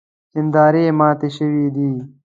هیندارې ماتې شوې دي.